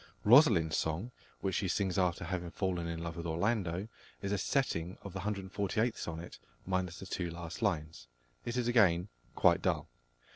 Rosalind's song, which she sings after having fallen in love with Orlando, is a setting of the 148th Sonnet, minus the two last lines. It is again quite dull.